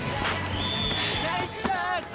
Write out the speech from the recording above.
ナイスシュート！